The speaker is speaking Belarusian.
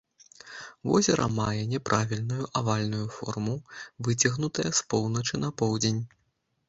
Возера мае няправільную, авальную форму, выцягнутая з поўначы на поўдзень.